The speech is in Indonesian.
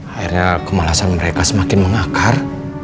akhirnya kemalasan mereka semakin mengakar